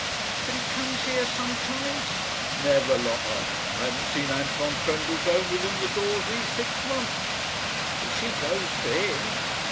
"But he comes here sometimes?" "Never, Lotta. I haven't seen Anton Trendellsohn within the doors these six months." "But she goes to him?"